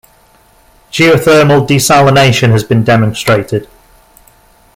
Geothermal desalination has been demonstrated.